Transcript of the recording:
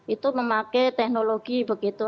itu memakai teknologi begitu